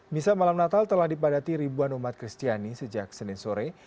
misa malam natal telah dipadati ribuan umat kristiani sejak senin sore